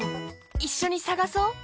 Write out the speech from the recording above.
いっしょにさがそう。